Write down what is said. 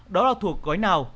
đó là thuộc gói nào